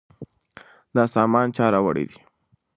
دا سامان چا راوړی دی؟